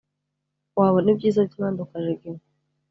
wabona ibyiza by` abandi ukajiginywa